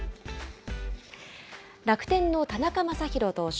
楽天の田中将大投手。